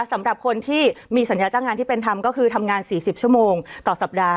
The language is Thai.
สำหรับคนที่มีสัญญาจ้างงานที่เป็นธรรมก็คือทำงาน๔๐ชั่วโมงต่อสัปดาห